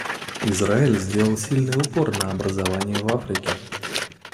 Израиль сделал сильный упор на образование в Африке.